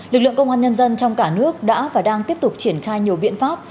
lực lượng công an nhân dân trong cả nước đã và đang tiếp tục triển khai nhiều biện pháp